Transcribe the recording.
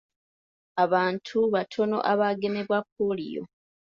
Abantu batono abaagemebwa pooliyo.